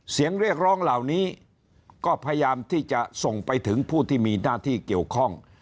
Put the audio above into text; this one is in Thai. เสียงเรียกร้องเหล่านี้ก็พยายามที่จะส่งไปถึงผู้ที่มีหน้าที่เกี่ยวข้อง